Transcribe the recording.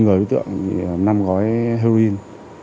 người đối tượng năm gói heroin